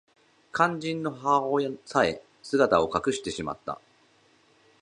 肝心の母親さえ姿を隠してしまった